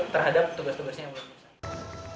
terhadap tugas tugasnya yang belum diselesaikan